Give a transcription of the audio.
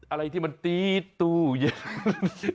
อะไรที่มันตี๊ดตู้เย็น